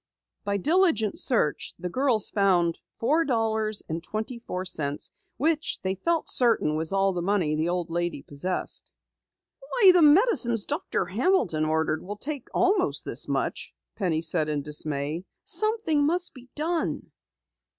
By diligent search, the girls found four dollars and twenty four cents which they felt certain was all the money the old lady possessed. "Why, the medicines Doctor Hamilton ordered will take almost this much!" Penny said in dismay. "Something must be done."